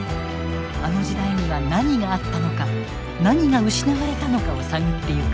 あの時代には何があったのか何が失われたのかを探ってゆく。